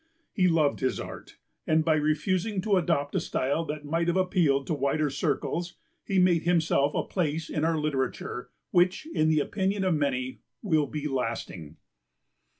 He loved his art, and, by refusing to adopt a style that might have appealed to wider circles, he made himself a place in our literature which, in the opinion of many, will be lasting.